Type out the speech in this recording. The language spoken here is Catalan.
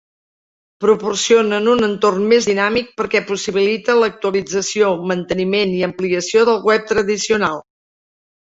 Proporcionen un entorn més dinàmic perquè possibilita l’actualització, manteniment i ampliació del web tradicional.